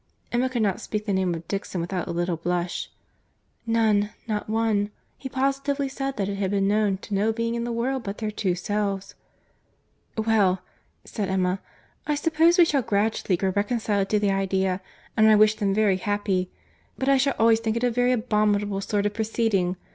Emma could not speak the name of Dixon without a little blush. "None; not one. He positively said that it had been known to no being in the world but their two selves." "Well," said Emma, "I suppose we shall gradually grow reconciled to the idea, and I wish them very happy. But I shall always think it a very abominable sort of proceeding.